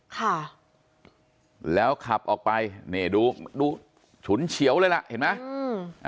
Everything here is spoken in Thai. ค่ะแล้วขับออกไปนี่ดูดูฉุนเฉียวเลยล่ะเห็นไหมอืม